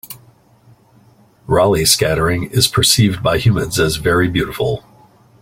Raleigh scattering is percieved by humans as very beautiful.